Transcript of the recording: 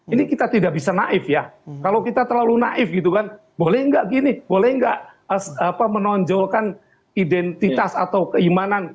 ini kita tidak bisa naif ya kalau kita terlalu naif gitu kan boleh nggak gini boleh nggak menonjolkan identitas atau keimanan